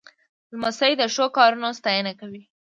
لمسی د ښو کارونو ستاینه کوي.